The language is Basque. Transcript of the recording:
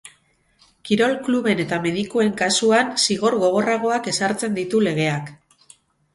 Kirol kluben eta medikuen kasuan zigor gogorragoak ezartzen ditu legeak.